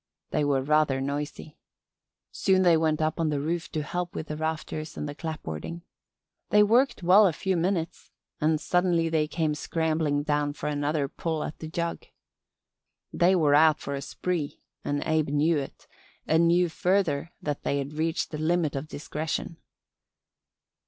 They were rather noisy. Soon they went up on the roof to help with the rafters and the clapboarding. They worked well a few minutes and suddenly they came scrambling down for another pull at the jug. They were out for a spree and Abe knew it and knew further that they had reached the limit of discretion.